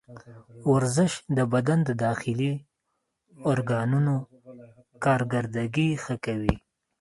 ورزش د بدن د داخلي ارګانونو کارکردګي ښه کوي.